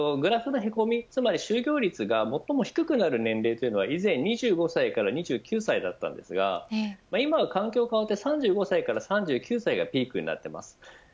就業率が最も低くなる年齢は２５歳から２９歳だったのですが今は環境が変わって、３５歳から３９歳がピークになっています。